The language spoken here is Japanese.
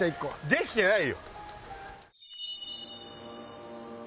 できてないよ。